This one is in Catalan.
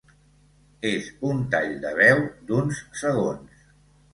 És un tall de veu d'uns segons.